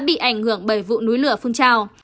bị ảnh hưởng bởi vụ núi lửa phun trào